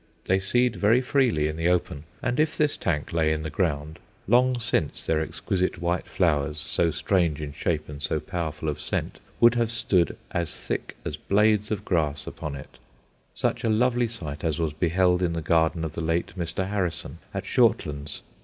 They seed very freely in the open; and if this tank lay in the ground, long since their exquisite white flowers, so strange in shape and so powerful of scent, would have stood as thick as blades of grass upon it such a lovely sight as was beheld in the garden of the late Mr. Harrison, at Shortlands.